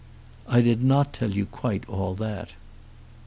I did not tell you quite all that."